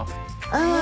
ああ。